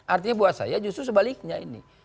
artinya buat saya justru sebaliknya ini